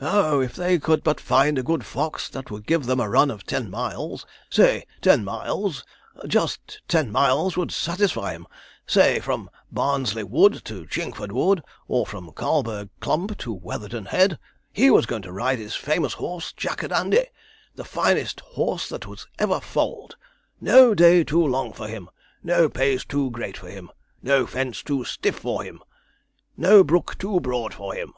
'Oh! if they could but find a good fox that would give them a run of ten miles say, ten miles just ten miles would satisfy him say, from Barnesley Wold to Chingforde Wood, or from Carleburg Clump to Wetherden Head. He was going to ride his famous horse Jack a Dandy the finest horse that ever was foaled! No day too long for him no pace too great for him no fence too stiff for him no brook too broad for him.'